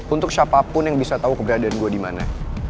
untuk siapapun yang bisa tau keberadaan gue dimana